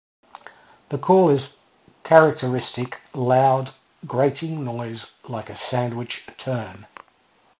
The call is a characteristic loud grating noise like a Sandwich tern.